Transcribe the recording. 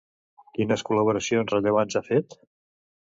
Quines col·laboracions rellevants ha fet?